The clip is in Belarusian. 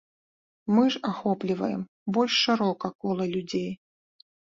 Мы ж ахопліваем больш шырока кола людзей.